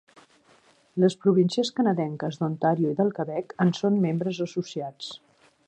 Les províncies canadenques d'Ontario i del Quebec en són membres associats.